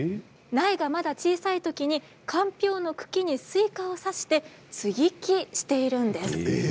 苗が、まだ小さいときにかんぴょうの茎にスイカを挿して接ぎ木しているんです。